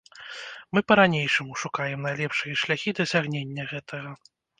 Мы па-ранейшаму шукаем найлепшыя шляхі дасягнення гэтага.